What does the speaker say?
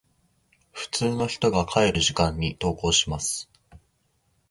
普通の人が帰る時間に登校します。